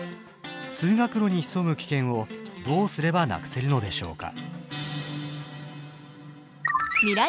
通学路に潜む危険をどうすればなくせるのでしょうか？